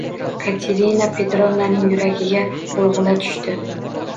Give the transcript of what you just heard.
Katerina Petrovnaning yuragiga gʻulgʻula tushdi.